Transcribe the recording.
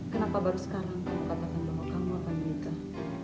kenapa baru sekarang kamu katakan bahwa kamu akan menikah